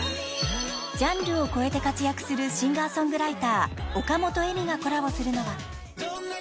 ［ジャンルを超えて活躍するシンガーソングライターおかもとえみがコラボするのは］